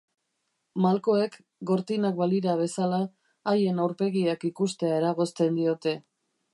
Malkoek, gortinak balira bezala, haien aurpegiak ikustea eragozten diote.